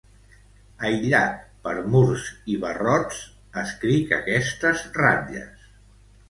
Aïllat per murs i barrots, escric aquestes ratlles.